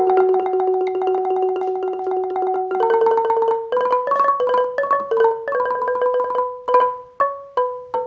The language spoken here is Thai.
ไม่มาที่อย่างเหมือนกับตัวใหม่